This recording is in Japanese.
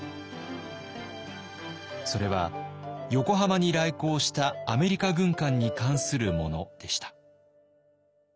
それは横浜に来航したアメリカ軍艦に関するものでした。